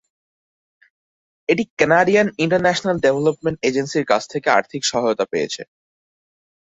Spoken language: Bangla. এটি কানাডিয়ান ইন্টারন্যাশনাল ডেভেলপমেন্ট এজেন্সি র কাছ থেকে আর্থিক সহায়তা পেয়েছে।